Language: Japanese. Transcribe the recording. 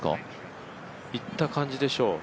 行った感じでしょう。